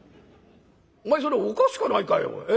お前それおかしかないかい？